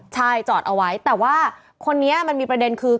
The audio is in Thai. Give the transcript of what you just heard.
ใช่จอดเอาไว้แต่ว่าคนนี้มันมีประเด็นคือ